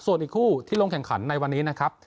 ส่วนอีกคู่ที่ลงแข่งขันในวันนี้นะครับ